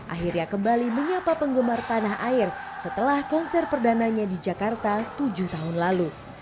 akhirnya kembali menyapa penggemar tanah air setelah konser perdananya di jakarta tujuh tahun lalu